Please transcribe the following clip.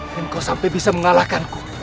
dan kau sampai bisa mengalahkanku